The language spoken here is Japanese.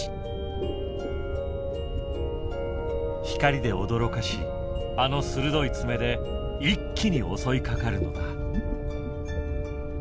光で驚かしあの鋭い爪で一気に襲いかかるのだ。